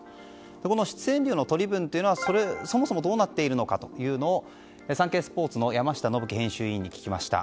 この出演料の取り分というのはそもそもどうなっているのかというのをサンケイスポーツの山下伸基編集委員に聞きました。